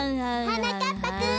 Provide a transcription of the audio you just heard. はなかっぱくん！